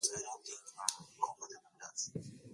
Uzuri wangu natoa pesa